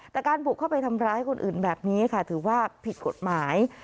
แต่การบุกเข้าไปทำร้ายคนอื่นแบบนี้ค่ะถือว่าผิดกฎหมาย